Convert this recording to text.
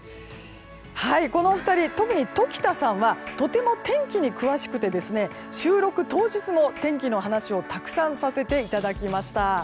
このお二人特に常田さんはとても天気に詳しくて収録当日も天気の話をたくさんさせていただきました。